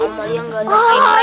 amalia gak ada air yang merah